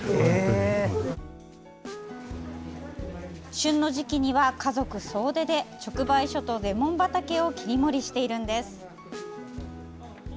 旬の時期には、家族総出で直売所とレモン畑を切り盛りしているんです。